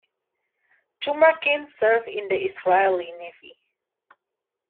Tumarkin served in the Israeli Navy.